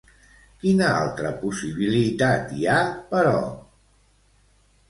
Quina altra possibilitat hi ha, però?